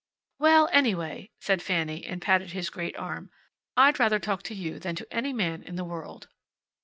"Well, anyway," said Fanny, and patted his great arm, "I'd rather talk to you than to any man in the world."